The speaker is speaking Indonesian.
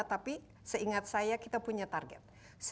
tapi seingat saya kita punya target